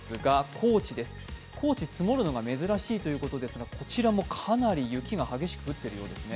高知、積もるのが珍しいということですがこちらもかなり雪が激しく降っているようですね。